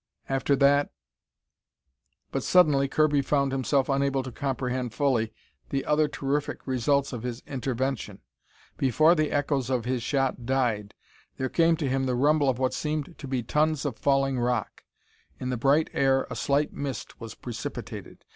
After that But suddenly Kirby found himself unable to comprehend fully the other terrific results of his intervention. Before the echoes of his shot died, there came to him the rumble of what seemed to be tons of falling rock. In the bright air a slight mist was precipitated.